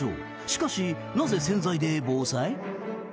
しかしなぜ洗剤で防災？